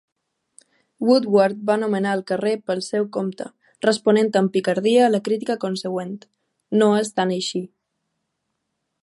Woodward va anomenar el carrer pel seu compte, responent amb picardia a la crítica consegüent: no és tan així.